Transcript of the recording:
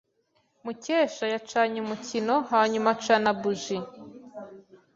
Mukesha yacanye umukino hanyuma acana buji.